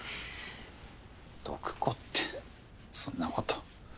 毒子ってそんなこと。